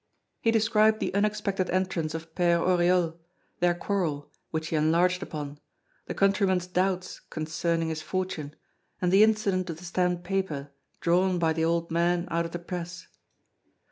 He described the unexpected entrance of Père Oriol, their quarrel, which he enlarged upon, the countryman's doubts concerning his fortune, and the incident of the stamped paper drawn by the old man out of the press.